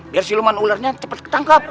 biar siluman ularnya cepat ketangkap